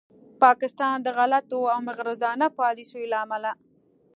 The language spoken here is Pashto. پاکستان د غلطو او مغرضانه پالیسیو له امله